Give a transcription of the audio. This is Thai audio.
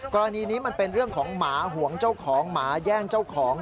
กรณีนี้มันเป็นเรื่องของหมาห่วงเจ้าของหมาแย่งเจ้าของ